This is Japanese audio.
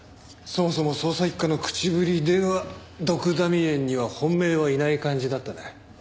そもそも捜査一課の口ぶりではドクダミ園には本命はいない感じだったな。